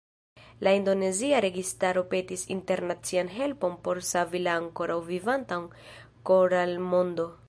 La indonezia registaro petis internacian helpon por savi la ankoraŭ vivantan koralmondon.